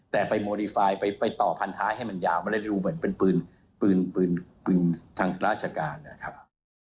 แต่ไปโมดีไฟล์ไปต่อพันท้ายให้มันยาวมันเลยดูเหมือนเป็นปืนปืนทางราชการนะครับ